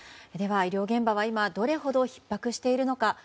では、医療現場は今どれほどひっ迫しているのか。